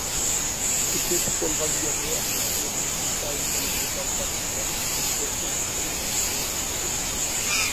ئىشلىتىپ بولغان يادرو ئەخلەتلىرىنى ئىنتايىن قېلىن مېتال ساندۇقلارغا سېلىپ چوڭقۇر دېڭىز ئاستىغا كۆمۈۋېتىدۇ.